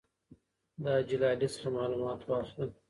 د حاجي لالي څخه معلومات واخله.